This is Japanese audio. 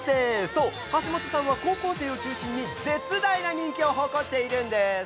そう、橋本さんは高校生を中心に、絶大な人気を誇っているんです。